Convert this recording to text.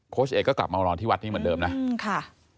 โค้ชเอกก็กลับมารอนที่วัดนี้เหมือนเดิมนะ